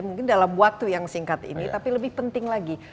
mungkin dalam waktu yang singkat ini tapi lebih penting lagi